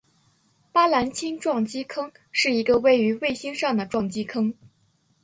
巴兰钦撞击坑是一个位于水星上的撞击坑。